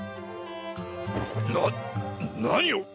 な何を！？